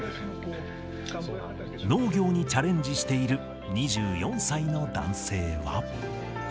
農業にチャレンジしている２４歳の男性は。